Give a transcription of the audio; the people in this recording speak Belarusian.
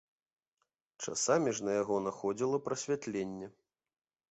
Часамі ж на яго находзіла прасвятленне.